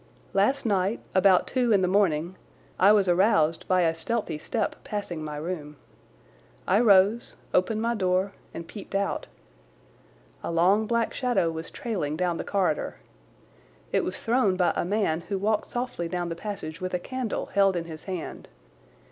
Last night, about two in the morning, I was aroused by a stealthy step passing my room. I rose, opened my door, and peeped out. A long black shadow was trailing down the corridor. It was thrown by a man who walked softly down the passage with a candle held in his hand.